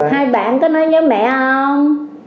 hai bạn có nói nhớ mẹ không